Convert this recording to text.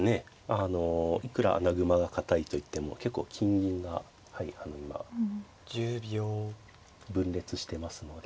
あのいくら穴熊が堅いといっても結構金銀がはいあの今分裂してますので。